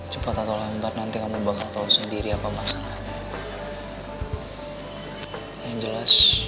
cepat atau lambat nanti kamu bakal tahu sendiri apa masalahnya